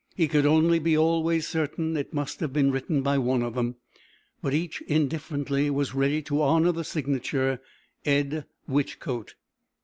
He could only be always certain it must have been written by one of them. But each indifferently was ready to honour the signature, Ed. Whichcote.